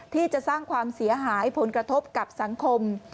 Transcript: ที่จะสร้างความเสียหายผลกระทบกับสังคม